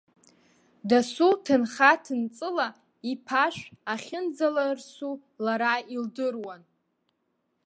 Дасу ҭынха-ҭынҵыла иԥашә ахьынӡаларсу лара илдыруан.